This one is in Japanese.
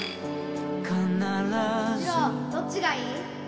次郎どっちがいい？